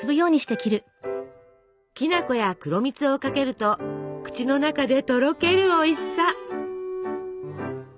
きな粉や黒蜜をかけると口の中でとろけるおいしさ！